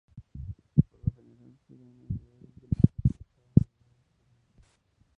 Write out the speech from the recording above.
Por lo general, se da en unidades de masa por cada unidad de superficie.